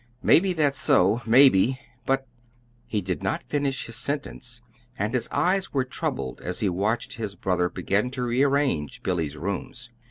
"Maybe that's so; maybe! But " he did not finish his sentence, and his eyes were troubled as he watched his brother begin to rearrange Billy's rooms.